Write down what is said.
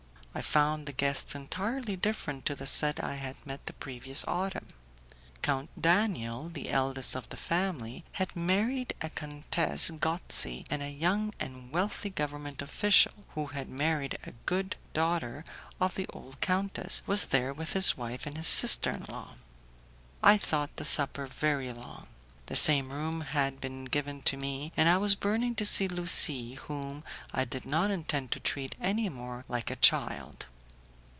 I found the guests entirely different to the set I had met the previous autumn. Count Daniel, the eldest of the family, had married a Countess Gozzi, and a young and wealthy government official, who had married a god daughter of the old countess, was there with his wife and his sister in law. I thought the supper very long. The same room had been given to me, and I was burning to see Lucie, whom I did not intend to treat any more like a child.